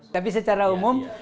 tapi secara umum